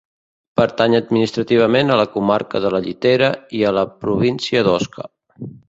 Pertany administrativament a la comarca de la Llitera i a la província d'Osca.